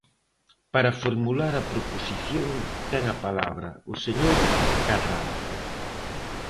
Para formular a proposición, ten a palabra o señor Cadrado.